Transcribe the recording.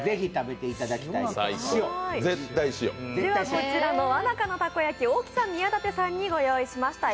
こちらのわなかのたこ焼き、大木さん、宮舘さんに御用意しました。